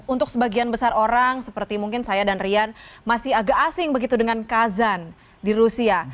untuk sebagian besar orang seperti mungkin saya dan rian masih agak asing begitu dengan kazan di rusia